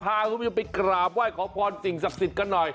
พาคุณผู้ชมไปกราบไหว้ขอพรสิ่งศักดิ์สิทธิ์กันหน่อย